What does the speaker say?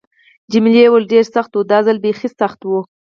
جميلې وويل:: ډېر سخت و، دا ځل بیخي سخت و.